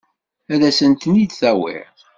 Ad asent-ten-id-tawiḍ?